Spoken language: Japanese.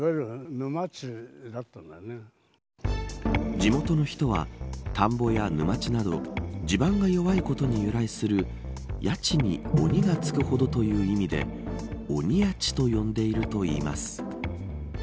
地元の人は、田んぼや沼地など地盤が弱いことに由来する谷内に鬼がつくほどという意味で鬼谷内と呼んでいるといいます。